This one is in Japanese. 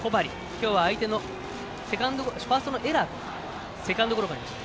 今日、相手のファーストのエラーでセカンドゴロになりました。